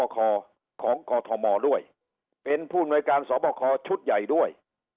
ของกด้วยเป็นผู้หน่วยการสชุดใหญ่ด้วย